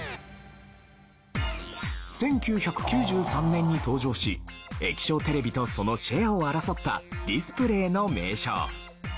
１９９３年に登場し液晶テレビとそのシェアを争ったディスプレイの名称。